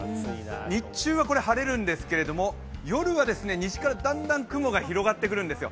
日中は晴れるんですけれども夜は西からだんだん雲が広がってくるんですよ。